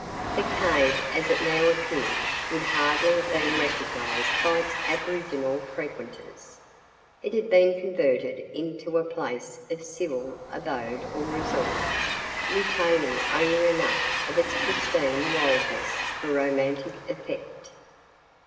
The cave as it now appeared would hardly have been recognized by its aboriginal frequenters. It had been converted into a place of civil abode or resort, retaining only enough of its pristine wildness for romantic effect.